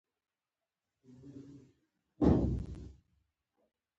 کتابونه د انسانانو غوره دوستان دي.